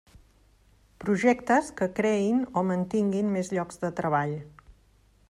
Projectes que creïn o mantinguin més llocs de treball.